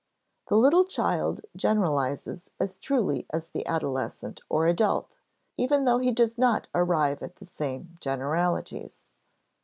The little child generalizes as truly as the adolescent or adult, even though he does not arrive at the same generalities.